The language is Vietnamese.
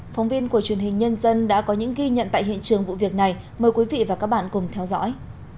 phóng viên của truyền hình nhân dân đã có những ghi nhận tại hiện trường vụ việc này mời quý vị và các bạn cùng theo dõi